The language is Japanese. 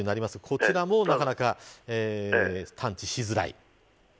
こちらもなかなか探知しづらい。